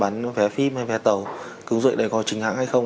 bán vé phim hay vé tàu cứng rượi để có trình hãng hay không